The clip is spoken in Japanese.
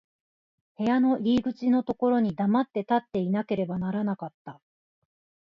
部屋の入口のところに黙って立っていなければならなかった。